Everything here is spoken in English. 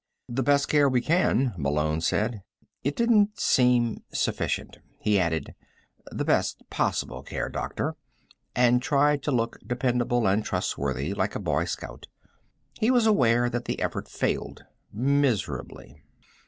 "The best care we can," Malone said. It didn't seem sufficient. He added: "The best possible care, doctor," and tried to look dependable and trustworthy, like a Boy Scout. He was aware that the effort failed miserably.